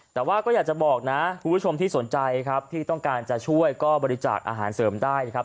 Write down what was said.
แต่ว่าก็อยากจะบอกนะคุณผู้ชมที่สนใจครับที่ต้องการจะช่วยก็บริจาคอาหารเสริมได้นะครับ